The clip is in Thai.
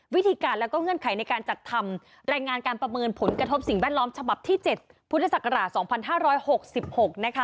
วิธีการแล้วก็เงื่อนไขในการจัดทำรายงานการประเมินผลกระทบสิ่งแวดล้อมฉบับที่๗พุทธศักราช๒๕๖๖นะคะ